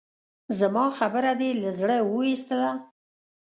زما خبره دې له زړه اوېستله؟